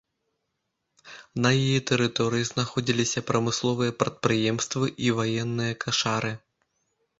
На яе тэрыторыі знаходзіліся прамысловыя прадпрыемствы і ваенныя кашары.